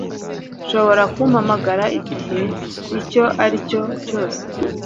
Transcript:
Urashobora kumpamagara igihe icyo aricyo cyose